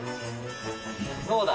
どうだ？